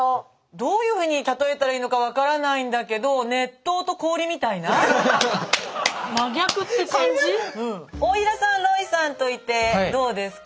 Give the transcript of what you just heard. どういうふうに例えたらいいのか分からないんだけど大平さんロイさんといてどうですか？